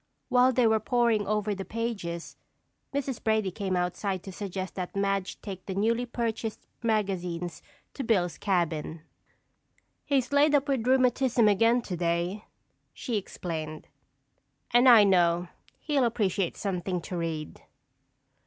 While they were pouring over the pages, Mrs. Brady came outside to suggest that Madge take the newly purchased magazines to Bill's cabin. "He's laid up with rheumatism again today," she explained, "and I know he'll appreciate something to read."